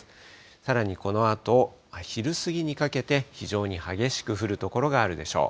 さらにこのあと昼過ぎにかけて、非常に激しく降る所があるでしょう。